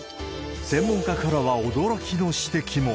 専門家からは驚きの指摘も。